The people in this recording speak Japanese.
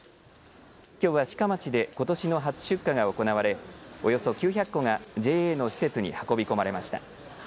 きょうは志賀町でことしの初出荷が行われおよそ９００個がＪＡの施設に運び込まれました。